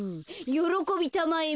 よろこびたまえ